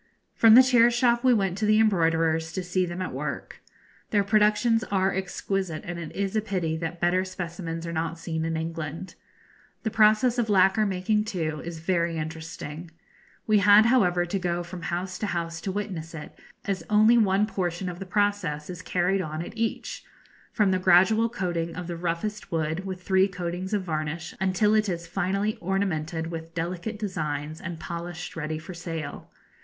From the chair shop we went to the embroiderers, to see them at work. Their productions are exquisite, and it is a pity that better specimens are not seen in England. The process of lacquer making, too, is very interesting. We had, however, to go from house to house to witness it, as only one portion of the process is carried on at each from the gradual coating of the roughest wood with three coatings of varnish, until it is finally ornamented with delicate designs, and polished ready for sale.